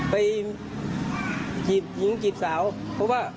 ไปหงิวดีกว่าจงหญิงกลิ่ดสาวเพราะว่า